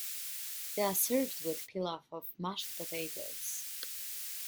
They are served with pilaf or mashed potatoes.